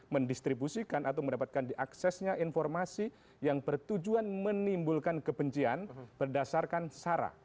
mendistribusikan atau mendapatkan diaksesnya informasi yang bertujuan menimbulkan kebencian berdasarkan sara